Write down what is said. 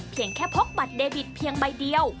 เพียงแค่พกบัตรเดบิตเพียงใบเดียว